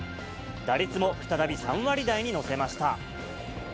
打率も再び３割台に乗せました。